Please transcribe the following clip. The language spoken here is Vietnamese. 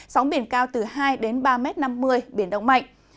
sóng biển cao từ hai đến ba năm mươi m biển động mạnh